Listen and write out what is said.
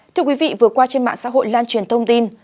thưa quý vị vừa qua trên mạng xã hội lan truyền thông tin